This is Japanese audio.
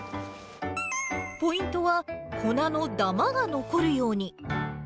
ポイントは粉のだまが残るように。